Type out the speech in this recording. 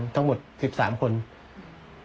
ทั้งหมด๑๓คนอยู่ในถ้ำนะครับ